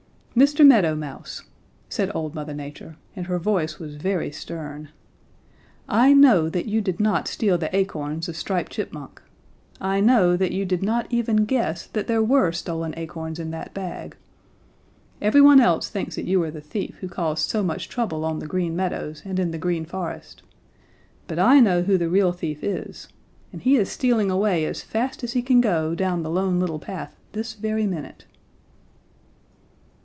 "'Mr. Meadow Mouse,' said old Mother Nature, and her voice was very stern, 'I know that you did not steal the acorns of Striped Chipmunk. I know that you did not even guess that there were stolen acorns in that bag. Everyone else thinks that you are the thief who caused so much trouble on the Green Meadows and in the Green Forest. But I know who the real thief is and he is stealing away as fast as he can go down the Lone Little Path this very minute.'